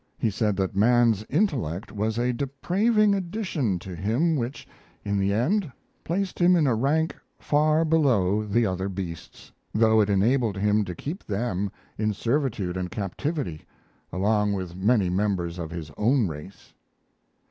He said that man's intellect was a depraving addition to him which, in the end, placed him in a rank far below the other beasts, though it enabled him to keep them in servitude and captivity, along with many members of his own race.